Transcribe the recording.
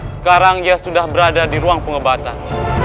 sekarang dia sudah berada di ruang pengebatan